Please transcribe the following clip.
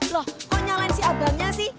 loh kok nyalain si abangnya sih